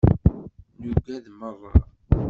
Nuged merra.